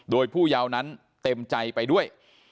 โดยผู้เยาวนั้นเต็มใจไปด้วย